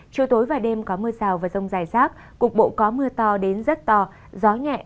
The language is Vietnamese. chiều tối và đêm có mưa rào và rông dài rác cục bộ có mưa to đến rất to gió nhẹ